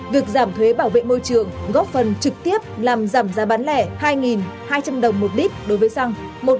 việc giảm thuế bảo vệ môi trường góp phần trực tiếp làm giảm giá bán lẻ hai hai trăm linh đồng một lít đối với xăng